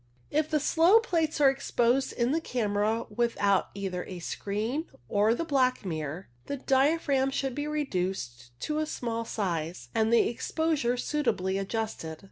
If the slow plates are exposed in the camera without either a screen or the black mirror, the dia phragm should be reduced to a small size and the exposure suitably adjusted.